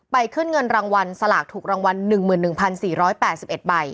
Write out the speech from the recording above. ขึ้นเงินรางวัลสลากถูกรางวัล๑๑๔๘๑ใบ